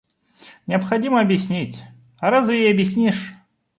Необходимо объяснить, а разве ей объяснишь?